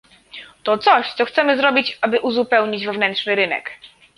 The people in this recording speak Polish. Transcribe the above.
To coś, co chcemy zrobić, aby uzupełnić wewnętrzny rynek